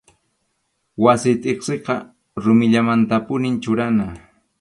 Wasi tiqsiqa rumillamantapunim churana.